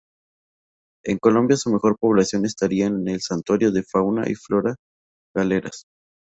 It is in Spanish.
En Colombia su mejor población estaría en el Santuario de fauna y flora Galeras.